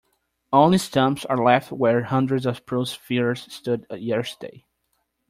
Only stumps are left where hundreds of spruce firs stood yesterday.